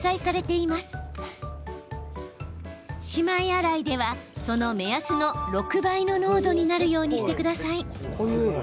しまい洗いではその目安の６倍の濃度になるようにしてください。